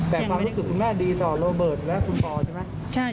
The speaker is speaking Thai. แต่ความรู้สึกคุณแม่ดีต่อโรเบิร์ตและคุณปอใช่ไหม